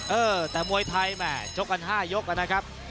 เออแต่มวยไทยแหม่ชกกัน๕ยกนะครับ